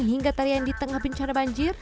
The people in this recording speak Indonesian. hingga tarian di tengah bencana banjir